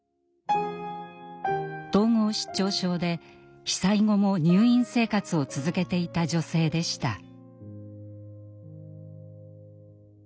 統合失調症で被災後も入院生活を続けていた女性でした。